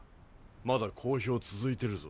まだ講評続いてるぞ。